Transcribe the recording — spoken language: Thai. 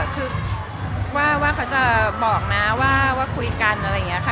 คือว่าเขาจะบอกนะว่าคุยกันอะไรอย่างนี้ค่ะ